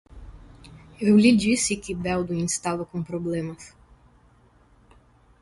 Eu lhe disse que Baldwin estava com problemas.